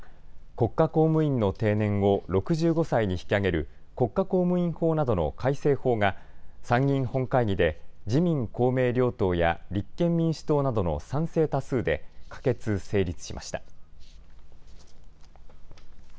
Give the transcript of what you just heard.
国家公務員の定年を６５歳に引き上げる国家公務員法などの改正法が参議院本会議で自民公明両党や立憲民主党などの賛成多数で可決・成立しました。